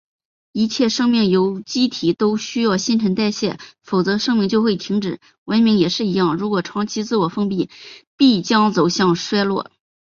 一切生命有机体都需要新陈代谢，否则生命就会停止。文明也是一样，如果长期自我封闭，必将走向衰落。